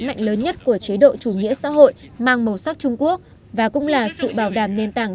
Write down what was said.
mạnh lớn nhất của chế độ chủ nghĩa xã hội mang màu sắc trung quốc và cũng là sự bảo đảm nền tảng